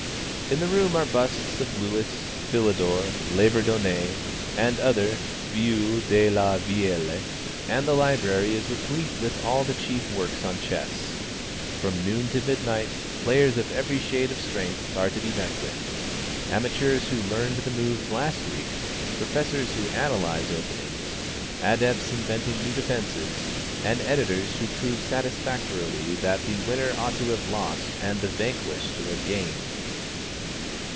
In the room are busts of Lewis, Philidor, Labourdonnais, and other vieux de la vielle, and the library is replete with all the chief works on chess. From noon to midnight, players of every shade of strength are to be met with; amateurs who learned the moves last week; professors who analyze openings, adepts inventing new defences, and editors who prove satisfactorily that the winner ought to have lost and the vanquished to have gained.